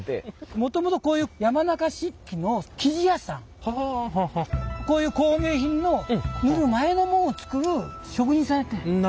もともとこういうこういう工芸品の塗る前のものを作る職人さんやったんや。